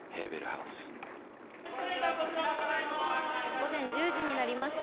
午前１０時になりました。